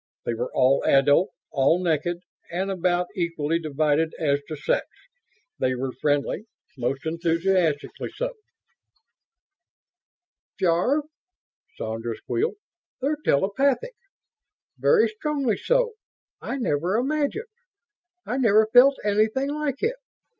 They were all adult, all naked and about equally divided as to sex. They were friendly; most enthusiastically so. "Jarve!" Sandra squealed. "They're telepathic. Very strongly so! I never imagined I never felt anything like it!"